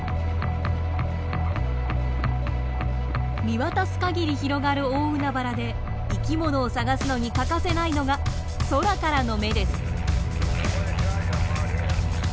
見渡すかぎり広がる大海原で生きものを探すのに欠かせないのが空からの目です。